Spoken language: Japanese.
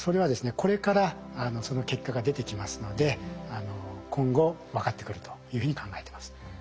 これからその結果が出てきますので今後分かってくるというふうに考えてます。